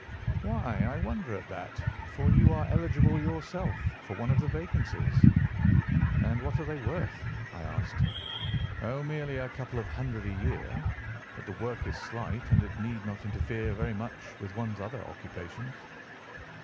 "'Why, I wonder at that, for you are eligible yourself for one of the vacancies.' "'And what are they worth?' I asked. "'Oh, merely a couple of hundred a year, but the work is slight, and it need not interfere very much with one's other occupations.